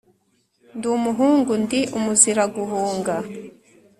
ndi umuhungu ndi umuziraguhunga,